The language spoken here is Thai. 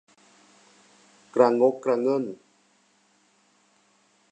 กระงกกระเงิ่น